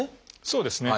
そうですね。